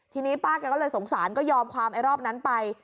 ทีนี้ป้าแกก็เลยสงสารก็ยอมความไอ้รอบนั้นไป